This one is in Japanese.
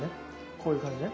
こういう感じね。